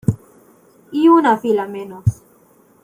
Y una fila menos.